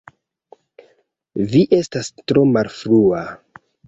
Vi estas tro malfrua